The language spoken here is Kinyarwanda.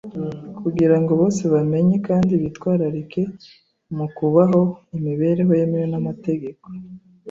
kugira ngo bose bamenye, kandi bitwararike mu kubaho imibereho ihuje n’amategeko